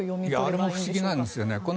あれも不思議なんですよね。